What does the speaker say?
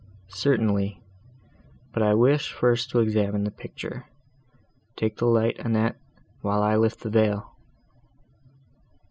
"Certainly: but I wish first to examine the picture; take the light, Annette, while I lift the veil."